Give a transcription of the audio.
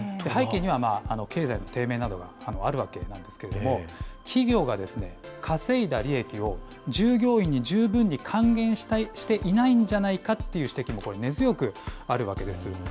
背景には、経済の低迷などがあるわけなんですけれども、企業が稼いだ利益を従業員に十分に還元していないんじゃないかっていう指摘も根強くあるわけです。